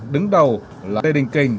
đứng đầu là lê đình kình